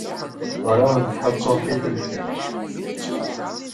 Ur awent-ttḥukkuɣ tifelfelt.